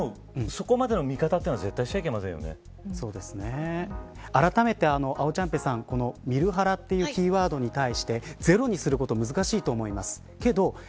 そこまでの見方というのは絶対にしてはいあらためてあおちゃんぺさん見るハラというキーワードに対してゼロにすることは難しいと思います。